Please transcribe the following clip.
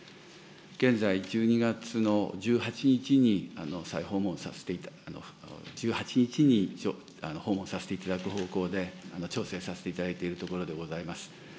現在、１２月の１８日に再訪問、１８日に訪問させていただく方向で、調整させていただいているところでございます。